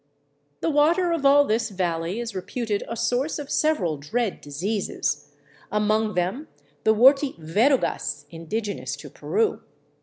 The water of all this valley is reputed a source of several dread diseases, among them the warty verrugas indigenous to Peru.